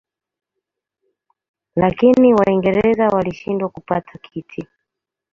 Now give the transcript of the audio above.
Lakini Waingereza walishindwa kupata kiti.